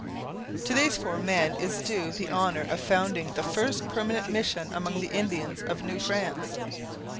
To these four men is due the honour of founding the first permanent mission among the Indians of New France.